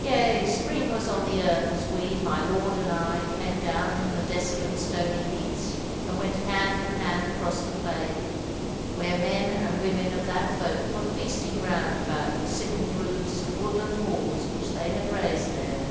"Yea, spring was on the earth, as we, my lord and I, came down from the desolate stony heaths, and went hand and hand across the plain, where men and women of that folk were feasting round about the simple roofs and woodland halls which they had raised there.